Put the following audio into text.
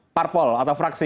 parpol atau fraksi